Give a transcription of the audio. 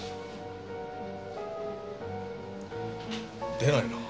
出ないな。